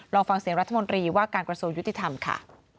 ลองฟังเสียงรัฐมนตรีว่าการประสงค์ยุติแทมน์ค่ะ